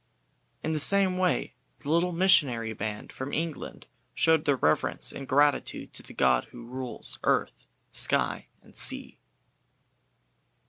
In the same way the little missionary band from England showed their reverence and gratitude to the God who rules earth, sky, and sea.